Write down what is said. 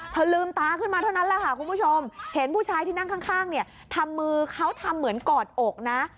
ลืมตาขึ้นมาเท่านั้นแหละค่ะคุณผู้ชมเห็นผู้ชายที่นั่งข้างเนี่ยทำมือเขาทำเหมือนกอดอกนะ